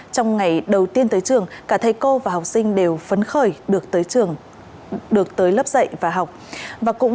trong ngày đầu tiên tới trường cả thầy cô và học sinh đều phấn khởi được tới trường được tới lớp dạy và học